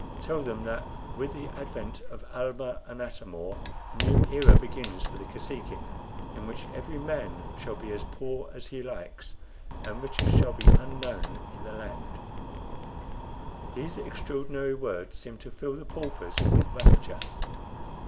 Tell them that with the advent of Almah and Atam or a new era begins for the Kosekin, in which every man may be as poor as he likes, and riches shall be unknown in the land." These extraordinary words seemed to fill the paupers with rapture.